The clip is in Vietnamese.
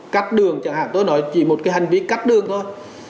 cắt đường chẳng hạn tôi nói chỉ một cái hành vi cắt đường thôi